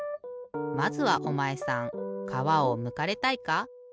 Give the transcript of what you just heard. まずはおまえさんかわをむかれたいか？